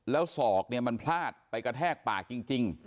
แล้วศอกเนี่ยมันพลาดไปกระแทกปากจริง